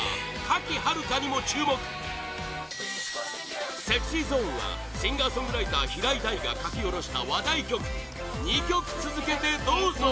賀喜遥香にも注目ＳｅｘｙＺｏｎｅはシンガーソングライター平井大が書き下ろした話題曲２曲続けて、どうぞ！